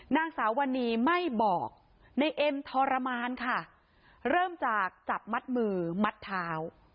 นางสาววันนี้ไม่บอกในเอ็มทรมานค่ะเริ่มจากจับมัดมือมัดเท้า